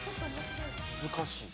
難しい。